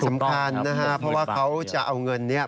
สำคัญนะครับเพราะว่าเขาจะเอาเงินนี้